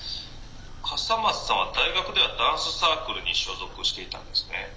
笠松さんは大学ではダンスサークルに所属していたんですね」。